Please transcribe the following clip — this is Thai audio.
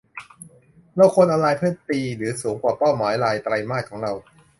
เราควรออนไลน์เพื่อตีหรือสูงกว่าเป้าหมายรายไตรมาสของเรา